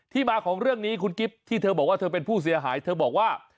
มาของเรื่องนี้คุณกิฟต์ที่เธอบอกว่าเธอเป็นผู้เสียหายเธอบอกว่า